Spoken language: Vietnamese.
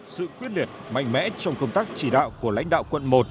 sự quyết liệt mạnh mẽ trong công tác chỉ đạo của lãnh đạo quận một